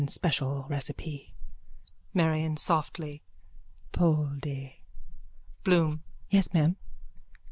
Special recipe. MARION: (Softly.) Poldy! BLOOM: Yes, ma'am?